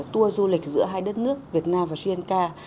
tour du lịch giữa hai đất nước việt nam và sri lanka